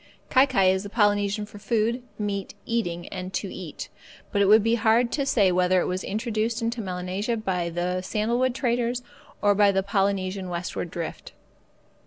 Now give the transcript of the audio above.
Kai kai is the Polynesian for food, meat, eating, and to eat: but it would be hard to say whether it was introduced into Melanesia by the sandalwood traders or by the Polynesian westward drift.